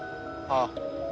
ああ。